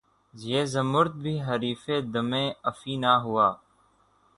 یہ زمّرد بھی حریفِ دمِ افعی نہ ہوا